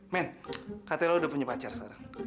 men kata lo udah punya pacar sekarang